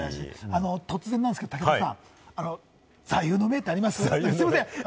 突然ですが、武田さん、座右の銘ってあります？